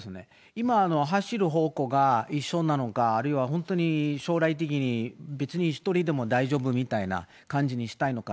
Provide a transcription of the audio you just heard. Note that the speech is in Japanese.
今、走る方向が一緒なのか、あるいは本当に将来的に、別に１人でも大丈夫みたいな感じにしたいのか。